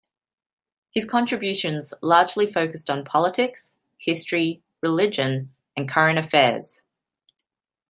His contributions largely focused on politics, history, religion and current affairs.